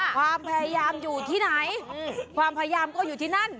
ความพยายามอยู่ที่ไหนความพยายามก็อยู่ที่นั่น